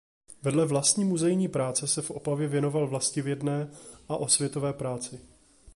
Vedle vlastní muzejní práce se v Opavě věnoval vlastivědné a osvětové práci.